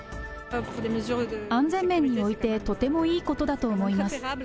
安全面において、とてもいいことだと思います。